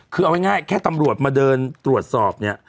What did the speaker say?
คือเอาง่ายแค่ตำรวจมาเดินตรวจสอบเนี่ย